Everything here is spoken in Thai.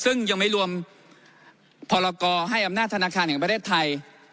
ซึ่งยังไม่รวมพรกรให้อำนาจธนาคารแห่งประเทศไทย